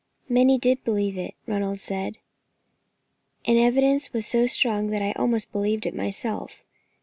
"Many did believe it," Ronald said, "and the evidence was so strong that I almost believed it myself.